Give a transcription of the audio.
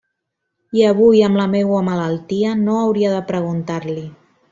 I avui amb la meua malaltia, no hauria de preguntar-li: